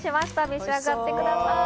召し上がってください。